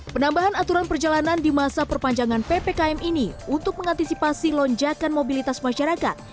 penambahan aturan perjalanan di masa perpanjangan ppkm ini untuk mengantisipasi lonjakan mobilitas masyarakat